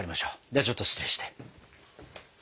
ではちょっと失礼して。